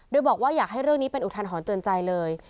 โดยบอกว่าอยากให้เรื่องนี้เป็นอุทาหรณ์เตือนใจเลย